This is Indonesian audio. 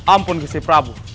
ampun gesi prabu